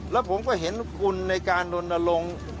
แล้วผมก็เห็นคุณในการดนรงค์